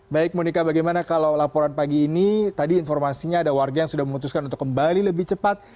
baik monika bagaimana kalau laporan pagi ini tadi informasinya ada warga yang sudah memutuskan untuk kembali lebih cepat